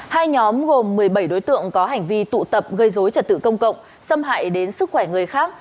hai nhóm gồm một mươi bảy đối tượng có hành vi tụ tập gây dối trật tự công cộng xâm hại đến sức khỏe người khác